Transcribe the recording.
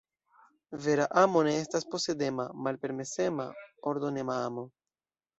Vera amo ne estas posedema, malpermesema, ordonema amo.